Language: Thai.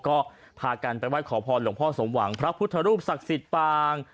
ก็พากันไปไหว้ขอพรหลวงพ่อสมหวังพระพุทธรูปศักดิ์สิทธิ์ปาง